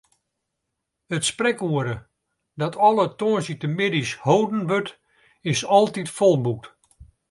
It sprekoere, dat alle tongersdeitemiddeis holden wurdt, is altyd folboekt.